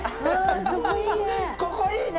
ここいいね